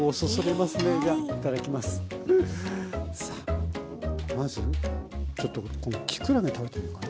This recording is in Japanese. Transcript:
まずちょっとこのきくらげ食べてみようかな。